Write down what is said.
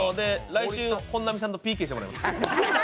来週、本並さんとＰＫしてもらいます。